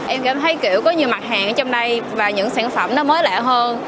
em cảm thấy kiểu có nhiều mặt hàng ở trong đây và những sản phẩm nó mới lạ hơn